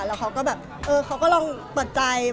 แล้วเขาก็แบบเออเขาก็ลองเปิดใจ